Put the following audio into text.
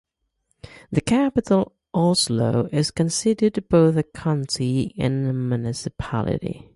The capital Oslo is considered both a county and a municipality.